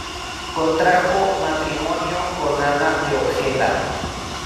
Contrajo matrimonio con Ana de Ojeda.